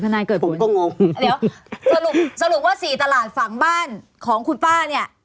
นายเกิดผลก็งงเดี๋ยวสรุปสรุปว่าสี่ตลาดฝังบ้านของคุณป้าเนี่ย